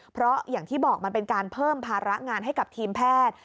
เพราะอย่างที่บอกมันเป็นการเพิ่มภาระงานให้กับทีมแพทย์